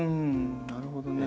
なるほどね。